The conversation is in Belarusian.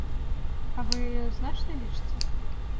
А вы яе значнай лічыце?